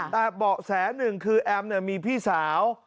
แต่เบาะแสหนึ่งคือแอมมีพี่สาว